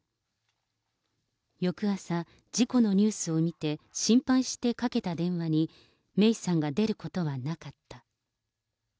翌朝、事故のニュースを見て、心配してかけた電話に、芽生さんが出ることはなかった。